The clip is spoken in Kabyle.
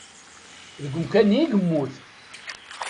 Deg umkan-nni i yemmut.